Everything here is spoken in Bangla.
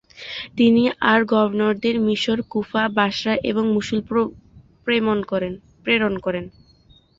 তিনি তার গভর্নরদের মিশর, কুফা, বসরা এবং মসুল প্রেরণ করেন।